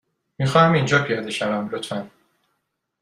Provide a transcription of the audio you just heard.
می خواهم اینجا پیاده شوم، لطفا.